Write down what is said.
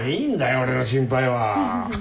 俺の心配は。